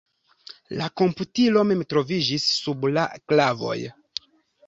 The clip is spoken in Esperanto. La komputilo mem troviĝis sub la klavoj.